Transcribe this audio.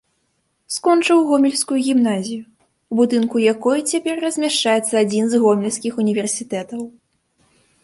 Скончыў гомельскую гімназію, у будынку якой цяпер размяшчаецца адзін з гомельскіх універсітэтаў.